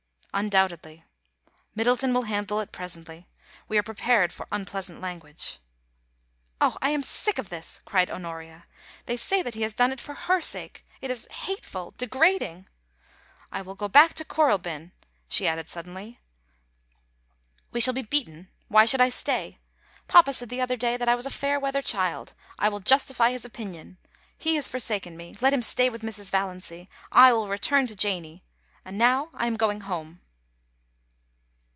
* Undoubtedly. Middleton will handle it presently. We are prepared for unpleasant language.' * Oh, I am sick of this 1' cried Honoria. * They say that he has done it for her sake. It is hateful — degrading. ... I will go back to Kooralbyn,' she added suddenly. * We 148 POLICY AND PASS/OX, shall be beaten ; why should I stay ? Papa said the other day that I was a fair weather child ; I will justify his opinion. He has forsaken me. Let him stay with Mrs. Valiancy. I will return to Janie. .... And now I am going home.'